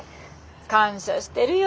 感謝してるよ